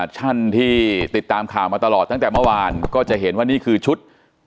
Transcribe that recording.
ท่านที่ติดตามข่าวมาตลอดตั้งแต่เมื่อวานก็จะเห็นว่านี่คือชุด